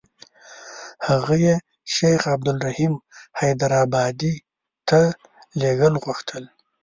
هغه یې شیخ عبدالرحیم حیدارآبادي ته لېږل غوښتل.